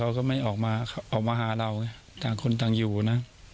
พวกนั้นไม่มาหาเราต่างคนต่างอยู่นะ